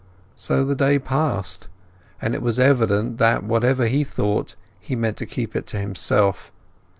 So the day passed, and it was evident that whatever he thought he meant to keep to himself.